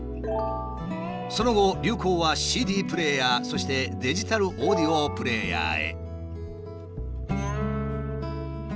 その後流行はＣＤプレーヤーそしてデジタルオーディオプレーヤーへ。